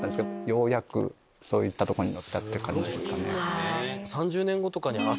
ようやくそういったとこにのったって感じですかね。